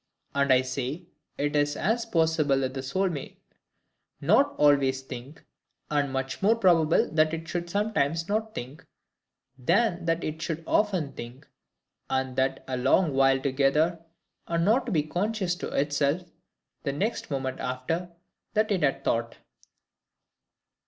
And I say, it is as possible that the soul may not always think; and much more probable that it should sometimes not think, than that it should often think, and that a long while together, and not be conscious to itself, the next moment after, that it had thought.